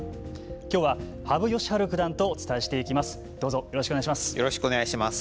きょうは羽生善治九段とお伝えしていきます。